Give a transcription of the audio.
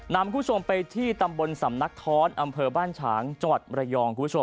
นำคุณผู้ชมไปที่ตำบลสำนักท้อนอำเภอบ้านฉางจระยอง